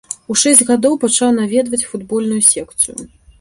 У шэсць гадоў пачаў наведваць футбольную секцыю.